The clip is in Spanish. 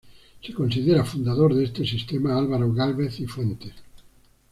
Se considera fundador de este sistema a Álvaro Gálvez y Fuentes.